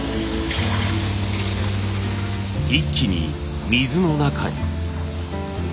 一気に水の中へ。